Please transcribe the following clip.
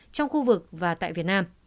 trong khu vực và tại việt nam